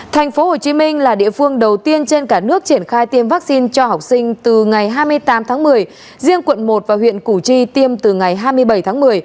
tp hcm là địa phương đầu tiên trên cả nước triển khai tiêm vaccine cho học sinh từ ngày hai mươi tám tháng một mươi riêng quận một và huyện củ chi tiêm từ ngày hai mươi bảy tháng một mươi